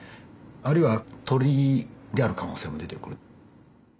あるいは鳥である可能性も出てくる。